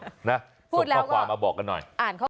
ส่งข้อความมาบอกกันหน่อย